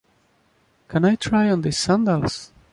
Can I try on these sandals?